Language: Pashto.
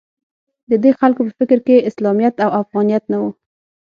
د دې خلکو په فکر کې اسلامیت او افغانیت نه و